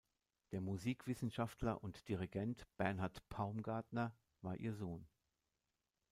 Der Musikwissenschaftler und Dirigent Bernhard Paumgartner war ihr Sohn.